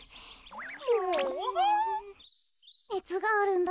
ねつがあるんだ。